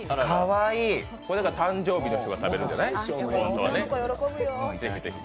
誕生日の人が食べるんじゃない。